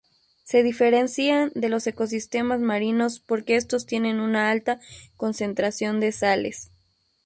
Se diferencian de los ecosistemas marinos porque estos tienen una alta concentración de sales.